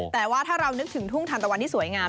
แต่ว่าถ้าเรานึกถึงทุ่งทันตะวันที่สวยงาม